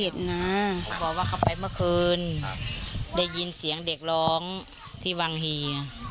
ได้ยินเสียงเด็กร้องที่วังฮี่